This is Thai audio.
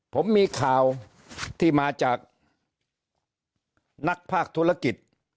ผมมีข่าวที่มาจากนักภาคธุรกิจ